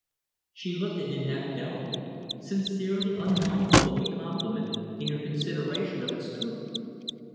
She looked at him half doubtfully sincerely unmindful of the compliment, in her consideration of its truth.